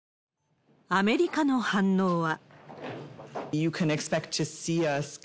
アメリカの反応は。